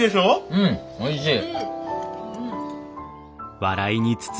うんおいしい。